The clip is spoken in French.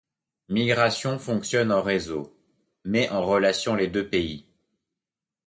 Migration fonctionne en réseau, met en relation les deux pays.